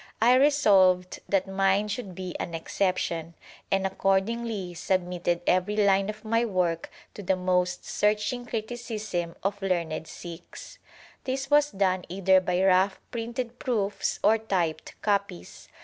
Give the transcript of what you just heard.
I resolved that mine should be an exception, and accordingly submitted every line of my work to the most searching criticism of learned Sikhs. This was done either by rough printed proofs or typed copies.